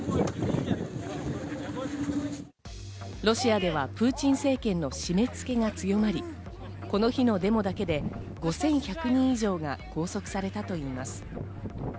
ロシアではプーチン政権の締め付けが強まり、この日のデモだけで５１００人以上が拘束されたといいます。